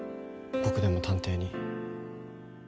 僕でも探偵に。